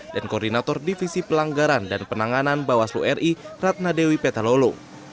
dan koordinator divisi pelanggaran dan penanganan bawaslu ri ratnadewi petalolo